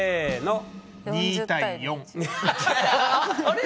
あれ？